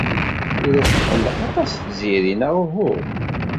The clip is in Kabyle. Tura tetqelleq aṭas Tiziri neɣ uhu?